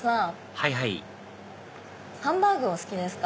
はいはいハンバーグお好きですか？